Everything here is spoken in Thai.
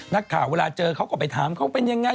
นักข่าวเวลาเจอเขาก็ไปถามเขาเป็นยังไง